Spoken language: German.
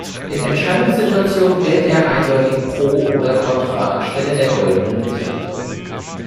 In Entscheidungssituationen wählt er eindeutig „Pro“ oder „Contra“ anstelle der „goldenen Mitte“.